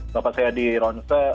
bapak saya dironsek